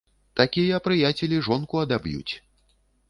Такія прыяцелі жонку адаб'юць.